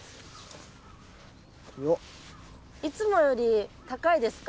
いつもより高いですか？